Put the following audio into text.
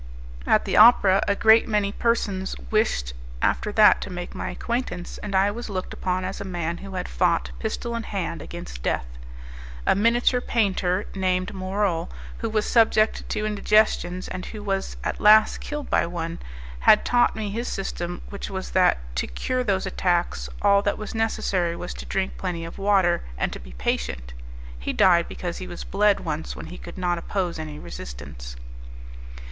At the opera, a great many persons wished after that to make my acquaintance, and I was looked upon as a man who had fought, pistol in hand, against death. A miniature painter named Morol, who was subject to indigestions and who was at last killed by one, had taught me his system which was that, to cure those attacks, all that was necessary was to drink plenty of water and to be patient. He died because he was bled once when he could not oppose any resistance.